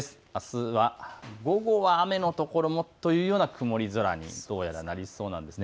あす午後は雨のところもという曇り空にどうやらなりそうです。